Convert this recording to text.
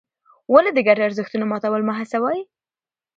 ولې د ګډو ارزښتونو ماتول مه هڅوې؟